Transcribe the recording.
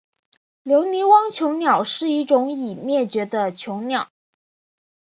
留尼旺椋鸟是一种已灭绝的椋鸟。